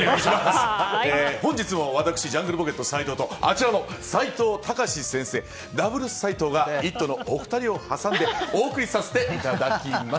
本日も私ジャングルポケットの斉藤とあちらの齋藤孝先生のＷサイトウが「イット！」を挟んでお送りさせていただきます。